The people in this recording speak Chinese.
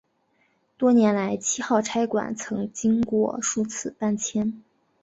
多年来七号差馆曾经过数次搬迁。